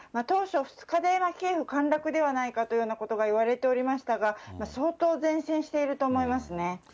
当初、２日でキエフ陥落ではないかということがいわれておりましたが、相当善戦していると思いますね。